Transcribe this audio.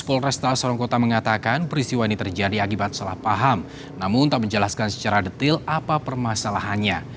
polresta sorongkota mengatakan peristiwa ini terjadi akibat salah paham namun tak menjelaskan secara detil apa permasalahannya